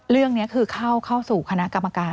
เรื่องนี้คือเข้าสู่คณะกรรมการ